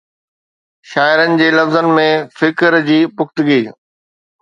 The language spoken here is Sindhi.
شاعرن جي لفظن ۾ فڪر جي پختگي